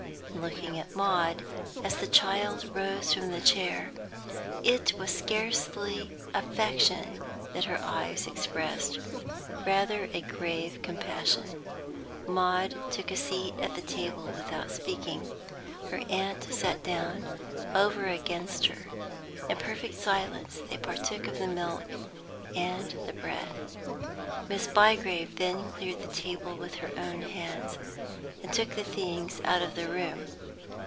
In looking at Maud, as the child rose from the chair, it was scarcely affection that her eyes expressed, rather a grave compassion. Maud took a seat at the table without speaking; her aunt sat down over against her. In perfect silence they partook of the milk and the bread. Miss Bygrave then cleared the table with her own hands, and took the things out of the room.